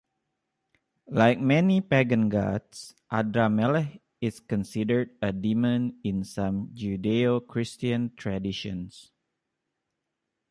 Like many pagan gods, Adramelech is considered a demon in some Judeo-Christian traditions.